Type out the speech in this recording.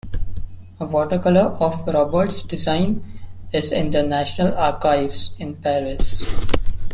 A watercolour of Robert's design is in the National Archives in Paris.